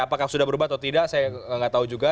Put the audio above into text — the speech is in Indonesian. apakah sudah berubah atau tidak saya gak tau juga